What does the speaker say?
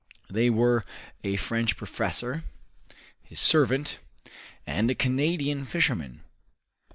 They were a French professor, his servant, and a Canadian fisherman.